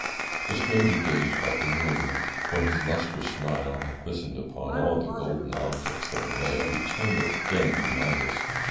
The stranger gazed about the room; and when his lustrous smile had glistened upon all the golden objects that were there he turned again to Midas.